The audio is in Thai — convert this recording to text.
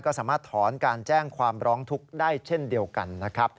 ก็สามารถถอนการแจ้งความร้องทุกข์ได้เช่นเดียวกันนะครับ